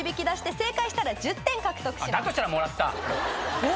だとしたらもらった。